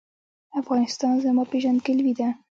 افغانستان زما پیژندګلوي ده